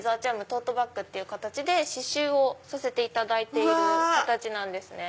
トートバッグっていう形で刺繍をさせていただいている形ですね。